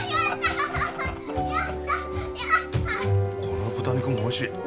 この豚肉もおいしい。